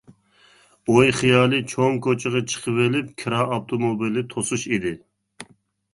ئوي-خىيالى چوڭ كوچىغا چىقىۋېلىپ كىرا ئاپتوموبىلى توسۇش ئىدى.